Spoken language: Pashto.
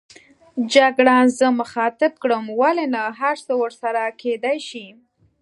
جګړن زه مخاطب کړم: ولې نه، هرڅه ورسره کېدای شي.